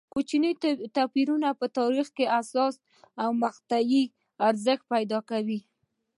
کوچني توپیرونه په تاریخ حساسې مقطعې کې ارزښت پیدا کوي.